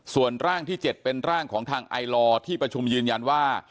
ส่วนร่างที่๗เป็นร่างของทางไอลอร์ที่ประชุมยืนยันว่า